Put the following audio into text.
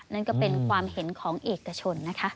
นั่นก็เป็นความเห็นของเอกชนนะคะ